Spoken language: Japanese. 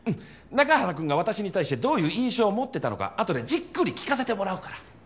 中原くんが私に対してどういう印象を持ってたのかあとでじっくり聞かせてもらうから。